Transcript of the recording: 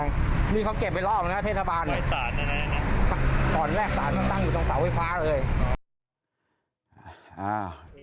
นี่เขาเก็บไปรอบหน้าเทศบาลเส้นหน้านั้นผมตอนแรกสารนั้นตั้งอยู่ตรงไว้ฟ้าเลย